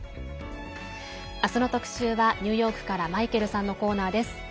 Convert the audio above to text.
あすの特集はニューヨークからマイケルさんのコーナーです。